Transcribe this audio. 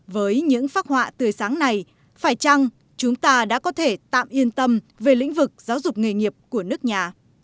với những phác họa tươi sáng này phải chăng chúng ta đã có thể tạm yên tâm về lĩnh vực giáo dục nghề nghiệp của nước nhà